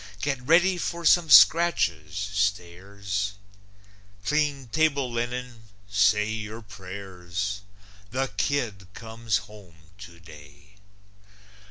Get ready for some scratches, stairs! Clean table linen, say your prayers! The kid comes home today!